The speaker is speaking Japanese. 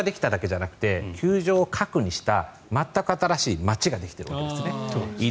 球場ができただけじゃなくて球場を核にした全く新しい街ができて。